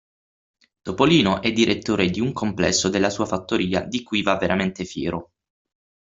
Topolino è direttore di un complesso della sua fattoria di cui va veramente fiero.